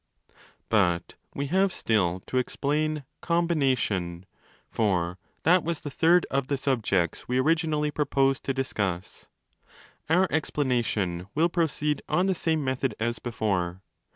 to 3275 10 But we have still to explain ' combination', for that was the 30 third of the subjects we originally! proposed to discuss. Our explanation will proceed on the same method as before.